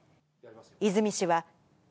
泉氏は。